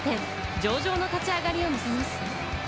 上々の立ち上がりを見せます。